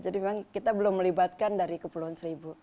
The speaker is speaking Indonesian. jadi memang kita belum melibatkan dari kepulauan seribu